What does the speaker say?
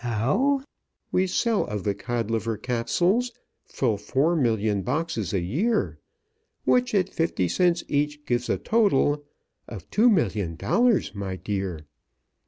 "How? We sell of the Codliver Capsules Full four million boxes a year, Which, at fifty cents each, gives a total Of two million dollars, my dear.